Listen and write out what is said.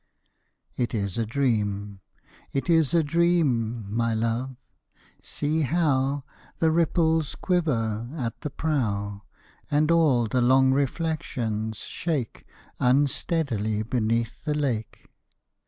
It is a dream. It is a dream, my love; see how The ripples quiver at the prow, And all the long reflections shake Unsteadily beneath the lake.